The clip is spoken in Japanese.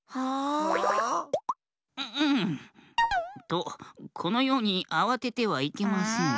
とこのようにあわててはいけません。